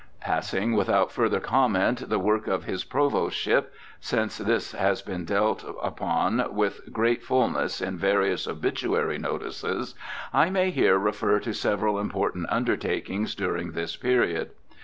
Passing without further comment the work of his Provostship, since this has been dwelt upon with great WILLIAM PEPPER 221 fullness in various obituary notices, I may here refer to several important undertakings during this period.